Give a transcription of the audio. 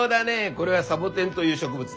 これはサボテンという植物だ。